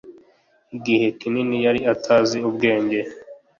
Igihe kinini yari atazi ubwenge.